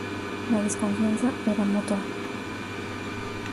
La desconfianza era mutua.